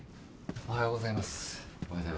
おはようございます。